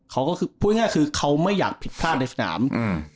เขาก็คือพูดง่ายคือเขาไม่อยากผิดพลาดในสนามอืม